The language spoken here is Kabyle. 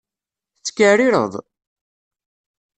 Tettkaɛrireḍ?